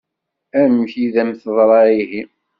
Amek i d-am-teḍṛa ihi?